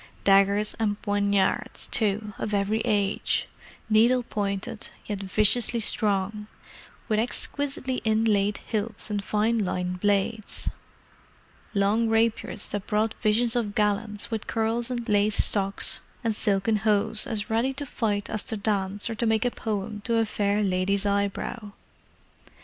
Daggers and poignards, too, of every age, needle pointed yet viciously strong, with exquisitely inlaid hilts and fine lined blades; long rapiers that brought visions of gallants with curls and lace stocks and silken hose, as ready to fight as to dance or to make a poem to a fair lady's eyebrow.